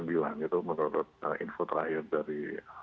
itu menurut info terakhir dari